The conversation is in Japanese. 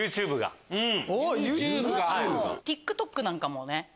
ＴｉｋＴｏｋなんかもね。